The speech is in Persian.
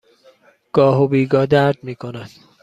گاه و بیگاه درد می کند.